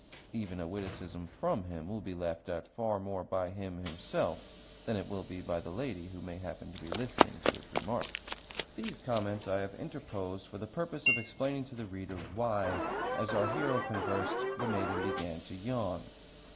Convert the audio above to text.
Even a witticism from him will be laughed at far more by him himself than it will by the lady who may happen to be listening to his remarks. These comments I have interposed for the purpose of explaining to the reader why, as our hero conversed, the maiden began to yawn.